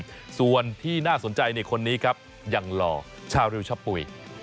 ส่วนที่น่าสนใจในคนนี้ครับยังหล่อชาริวชะปุ๋ย